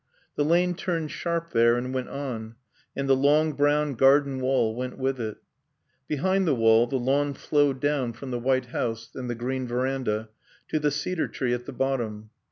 The lane turned sharp there and went on, and the long brown garden wall went with it. Behind the wall the lawn flowed down from the white house and the green veranda to the cedar tree at the bottom.